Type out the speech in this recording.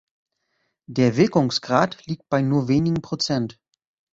Der Wirkungsgrad liegt bei nur wenigen Prozent.